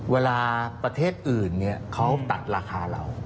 เวลาประเทศอื่นนี้เขาตัดราคาเรา